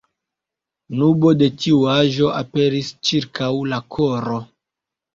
Nubo de tiu aĵo aperis ĉirkaŭ la koro.